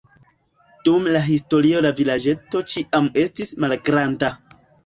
Dum la historio la vilaĝeto ĉiam estis malgranda.